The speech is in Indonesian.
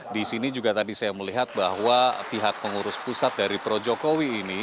di sini juga tadi saya melihat bahwa pihak pengurus pusat dari projokowi ini